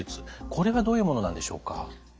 これはどういうものなんでしょうか？